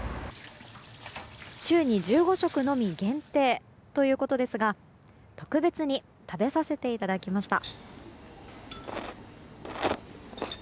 週に１５食のみ限定ということですが特別に食べさせていただきました。